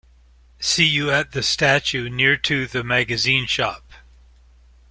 See you at the statue near to the magazine shop.